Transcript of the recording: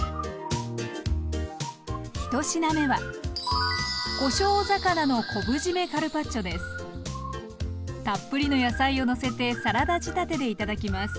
一品目はたっぷりの野菜をのせてサラダ仕立てで頂きます。